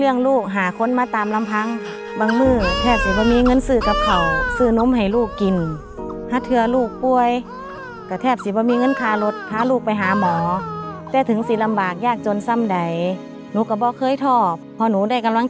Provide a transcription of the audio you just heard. แยกเห็ดฟางและเห็ดน้ำฟ้าใส่ถุงจำนวน๘ถุง